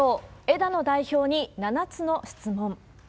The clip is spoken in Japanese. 枝野代表に７つの質問。